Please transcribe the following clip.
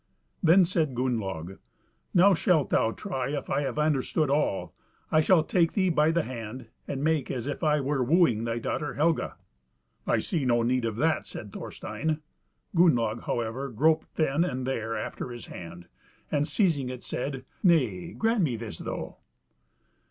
Then said Gunnlaug, "Now shalt thou try if I have understood all: I shall take thee by the hand and make as if I were wooing thy daughter Helga." "I see no need of that," says Thorstein. Gunnlaug, however, groped then and there after his hand, and seizing it said, "Nay, grant me this though."